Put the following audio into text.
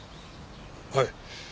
はい。